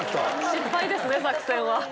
失敗ですね作戦は。